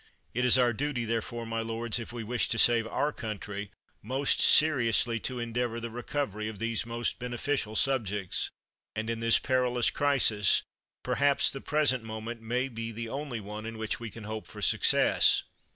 It is our duty, therefore, my lords, if we wish to save our country, most seriously to endeavor the recovery of these most beneficial subjects; and in this perilous crisis, perhaps the present moment may be the only one in which we can hope for suc cess.